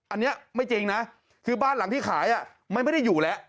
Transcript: อันนี้ไม่จริงนะคือบ้านหลังที่ขายมันไม่ได้อยู่แล้ว